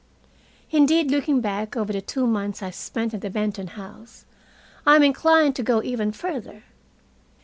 Indeed, looking back over the two months I spent in the Benton house, I am inclined to go even further.